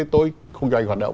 tôi không dành hoạt động